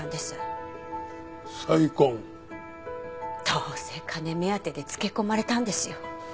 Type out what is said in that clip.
どうせ金目当てでつけ込まれたんですよ。